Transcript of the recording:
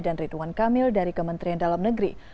dan ridwan kamil dari kementerian dalam negeri